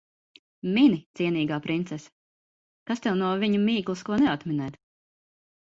Mini, cienīgā princese. Kas tev no viņa mīklas ko neatminēt.